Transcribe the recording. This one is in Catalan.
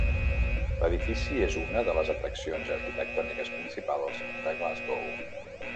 L'edifici és una de les atraccions arquitectòniques principals de Glasgow.